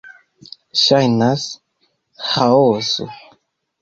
Ŝajnas ĥaoso...